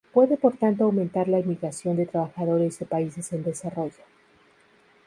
Puede por tanto aumentar la inmigración de trabajadores de países en desarrollo.